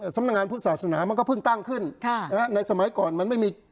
สำนักงานพุทธศาสนามันก็เพิ่งตั้งขึ้นในสมัยก่อนมันไม่มี